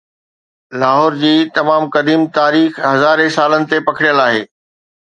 لاهور جي تمام قديم تاريخ هزارين سالن تي پکڙيل آهي